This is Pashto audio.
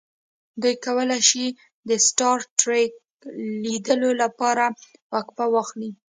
دوی کولی شي د سټار ټریک لیدلو لپاره وقفه واخلي